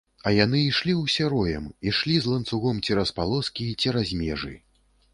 А яны ішлі ўсе роем, ішлі з ланцугом цераз палоскі, цераз межы.